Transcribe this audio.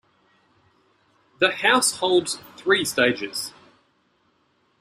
The house holds three stages.